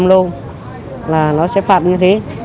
là nó sẽ phạt như thế